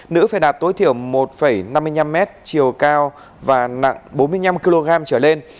nữ phải đạt tối thiểu một năm mươi năm m chiều cao và nặng bốn mươi năm kg trở lên